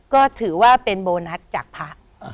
ก็ถือว่าเป็นโบนัสจากพระ